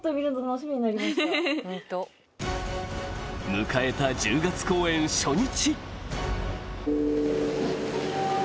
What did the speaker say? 迎えた１０月公演初日